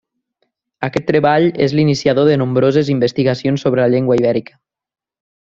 Aquest treball és l'iniciador de nombroses investigacions sobre la llengua ibèrica.